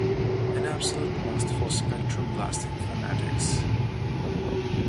An absolute must for Spectrum blasting fanatics.